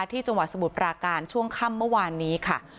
จังหวัดสมุทรปราการช่วงค่ำเมื่อวานนี้ค่ะ